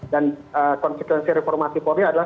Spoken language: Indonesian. dan konsekuensi reformasi polri adalah